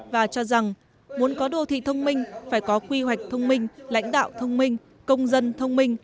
và cho rằng muốn có đô thị thông minh phải có quy hoạch thông minh lãnh đạo thông minh công dân thông minh